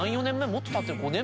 もっとたってる？